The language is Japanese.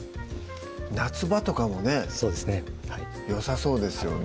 夏場とかもねよさそうですよね